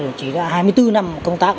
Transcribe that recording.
đồng chí đã hai mươi bốn năm công tác